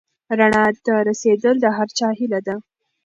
رڼا ته رسېدل د هر چا هیله ده.